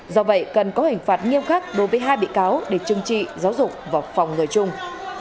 do vậy cần có hình phạt nghiêm khắc đối với hai bị cáo để trưng trị giáo dục và phòng người chung